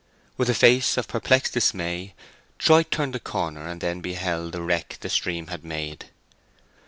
With a face of perplexed dismay Troy turned the corner and then beheld the wreck the stream had made.